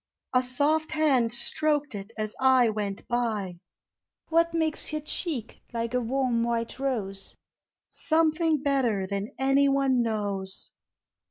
A soft hand stroked it as I went by. WThat makes your cheek like a warm white rose? Something better than any one knows.